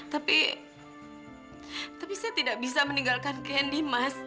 tapi tapi saya tidak bisa meninggalkan candy mas